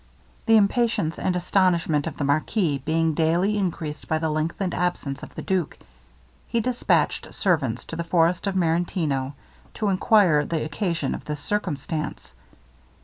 The impatience and astonishment of the marquis being daily increased by the lengthened absence of the duke, he dispatched servants to the forest of Marentino, to enquire the occasion of this circumstance.